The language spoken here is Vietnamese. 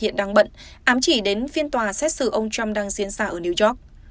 hiện đang bận ám chỉ đến phiên tòa xét xử ông trump đang diễn ra ở new york